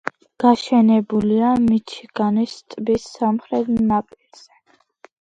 გაშენებულია მიჩიგანის ტბის სამხრეთ ნაპირზე.